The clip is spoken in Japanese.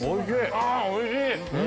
あおいしい！